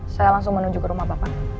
saya langsung menuju ke rumah bapak